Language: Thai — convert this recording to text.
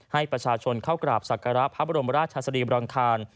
ให้ประชาชนเข้ากราบศักระพระบรมราชสรีบรังคาร